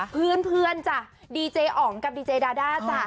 เพื่อนจ้ะดีเจอ๋องกับดีเจดาด้าจ้ะ